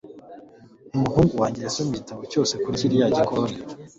Umuhungu wanjye yasomye igitabo cyose kuri kiriya gikoni